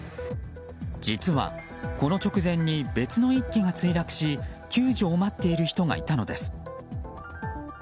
実はこの直前に別の１機が墜落し救助を待っている人がいたのです。